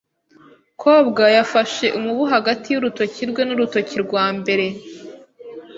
Kobwa yafashe umubu hagati y'urutoki rwe n'urutoki rwa mbere.